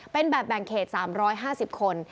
เป็นแบบแบ่งเขต๓๕๐คน